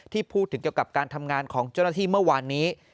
พูดถึงเกี่ยวกับการทำงานของเจ้าหน้าที่เมื่อวานนี้